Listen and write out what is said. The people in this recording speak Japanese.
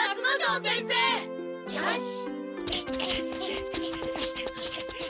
よし。